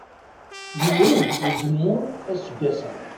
Yurew uzemmur aseggas-a.